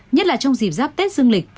nhất là trong dịp giáp tết dương lịch